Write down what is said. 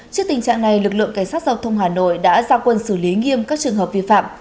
trước tình trạng này lực lượng cảnh sát giao thông hà nội đã ra quân xử lý nghiêm các trường hợp vi phạm